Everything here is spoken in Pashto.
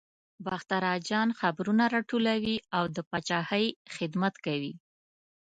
باختر اجان خبرونه راټولوي او د پاچاهۍ خدمت کوي.